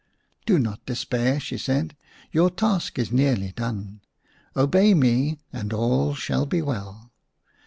"Do not despair," she said; "your task is nearly done. Obey me and all shall be well.